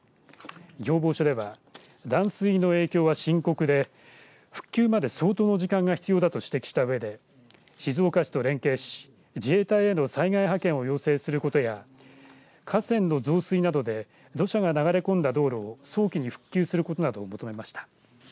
要望書では断水の影響は深刻で復旧まで相当の時間が必要だと指摘したうえで静岡市と連携し自衛隊への災害派遣を要請することや河川の増水などで土砂が流れ込んだ道路を早期に復旧することなどを求めました。